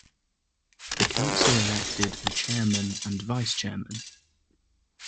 The Council elected a chairman and vice-chairman.